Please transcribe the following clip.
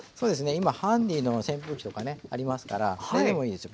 今ハンディーの扇風機とかねありますからそれでもいいですよ。